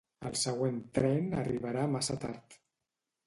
El següent tren arribarà massa tard